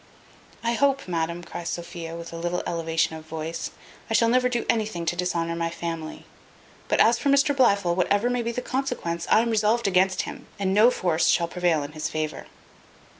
"I hope, madam," cries Sophia, with a little elevation of voice, "I shall never do anything to dishonour my family; but as for Mr Blifil, whatever may be the consequence, I am resolved against him, and no force shall prevail in his favour."